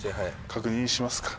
確認しますか。